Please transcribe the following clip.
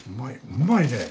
うまいねえ！